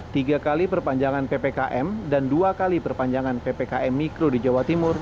tiga kali perpanjangan ppkm dan dua kali perpanjangan ppkm mikro di jawa timur